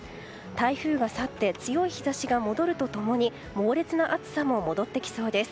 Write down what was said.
台風が去って強い日差しが戻ると共に猛烈な暑さも戻ってきそうです。